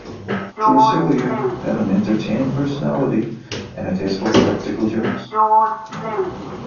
Trousselier had an entertaining personality and a taste for practical jokes.